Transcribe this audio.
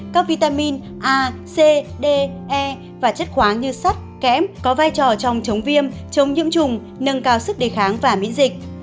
các vitamin a c d e và chất khoáng như sắt kẽm có vai trò trong chống viêm chống nhiễm trùng nâng cao sức đề kháng và miễn dịch